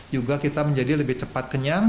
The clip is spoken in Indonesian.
juga kita menjadi lebih cepat kenyang